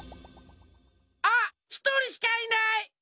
あっひとりしかいない！